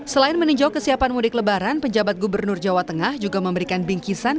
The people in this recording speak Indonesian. selain meninjau kesiapan mudik lebaran penjabat gubernur jawa tengah juga memberikan bingkisan